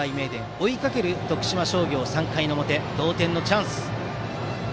追いかける徳島商業、３回の表同点のチャンスです。